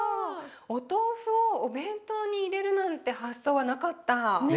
お豆腐をお弁当に入れるなんて発想はなかった。